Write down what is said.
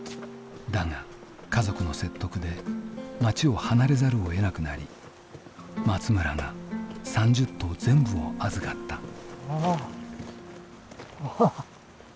だが家族の説得で町を離れざるをえなくなり松村が３０頭全部を預かった。